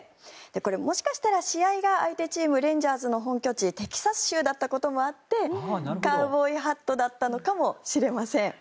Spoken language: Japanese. これ、もしかしたら試合が相手チームレンジャーズの本拠地であるテキサス州だったこともあってカウボーイハットだったのかもしれません。